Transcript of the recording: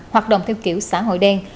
hoạt động theo kiểu xã hội đen